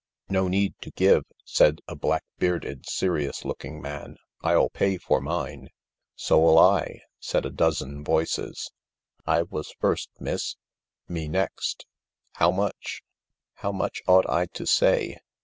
" No need to give," said a black bearded, serious looking man. " I'll pay for mine." " So '11 I," said a dozen voices. 42 THE LARK " I was first, miss." " Me next. 1 '" How much ?"" How much ought I to say